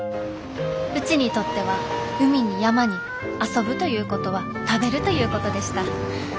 うちにとっては海に山に遊ぶということは食べるということでした。